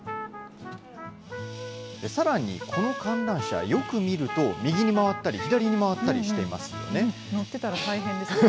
さらにこの観覧車、よく見ると、右に回ったり、左に回ったりして乗ってたら大変ですね。